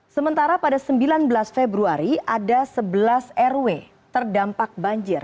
sementara pada sembilan belas februari ada sebelas rw terdampak banjir